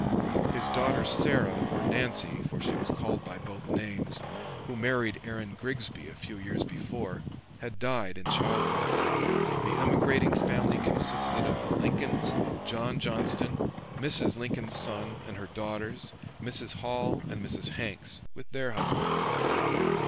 His daughter Sarah or Nancy, for she was called by both names, who married Aaron Grigsby a few years before, had died in childbirth. The emigrating family consisted of the Lincolns, John Johnston, Mrs. Lincoln's son, and her daughters, Mrs. Hall and Mrs. Hanks, with their husbands.